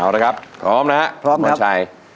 เอาละครับพร้อมนะครับพร้อมครับคุณพรชัย